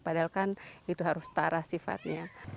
padahal kan itu harus setara sifatnya